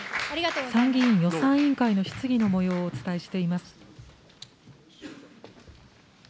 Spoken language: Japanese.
参議院予算委員会の質疑のもようをお伝えしています。